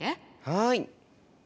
はい。